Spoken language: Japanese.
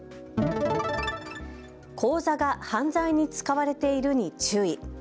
口座が犯罪に使われているに注意。